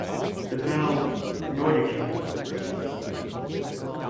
The Bell Nordique Fund.